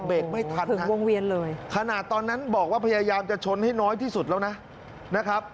เบรกไม่ทันนะขนาดตอนนั้นบอกว่าพยายามจะชนให้น้อยที่สุดแล้วนะ